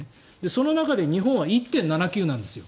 その中で日本は１．７９なんですよ。